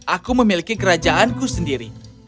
aku memiliki kerajaanku sendiri